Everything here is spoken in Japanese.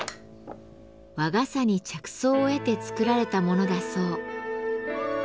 和傘に着想を得て作られたものだそう。